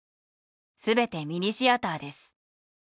全てミニシアターです。